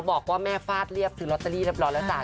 บอกว่าแม่ฟาดเรียบซื้อลอตเตอรี่เรียบร้อยแล้วจ้ะ